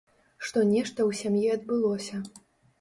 Што нешта ў сям'і адбылося.